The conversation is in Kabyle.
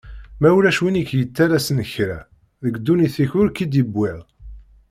Ma ulac win ik-yettalasen kra, deg dunnit-ik ur k-id-yewwiḍ.